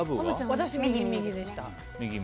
私、右右でした。